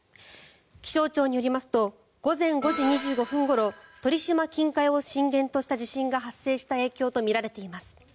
気象庁によりますと午前５時２５分ごろ鳥島近海を震源とした地震が発生した影響とみられています。